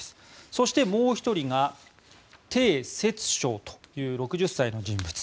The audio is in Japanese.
そして、もう１人がテイ・セツショウという６０歳の人物。